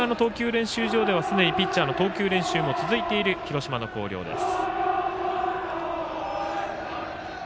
練習場ではすでにピッチャーの投球練習も続いている、広島の広陵です。